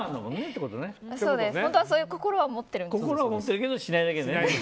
本当はそういう心は持ってるんです。